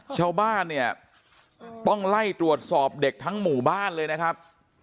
ชาวบ้านเนี่ยต้องไล่ตรวจสอบเด็กทั้งหมู่บ้านเลยนะครับ